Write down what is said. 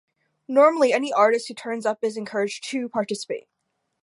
Normally any artist who turns up is encouraged to participate.